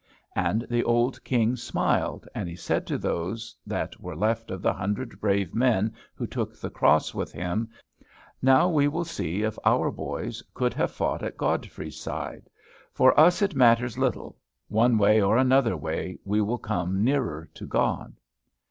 And the old King smiled; and he said to those that were left of the hundred brave men who took the cross with him, "Now we will see if our boys could have fought at Godfrey's side. For us it matters little. One way or another way we shall come nearer to God."